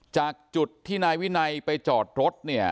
จากจุดที่นายวินัยไปจอดรถเนี่ย